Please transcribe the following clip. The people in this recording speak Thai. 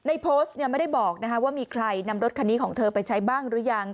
ในโพสต์ไม่ได้บอกว่ามีใครนำรถคันนี้ของเธอไปใช้บ้างหรือยัง